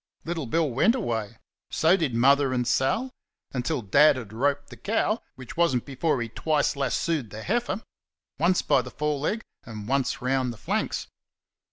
Little Bill went away; so did Mother and Sal until Dad had roped the cow, which was n't before he twice lassoed the heifer once by the fore leg and once round the flanks.